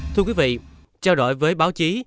thưa quý vị trao đổi với báo chí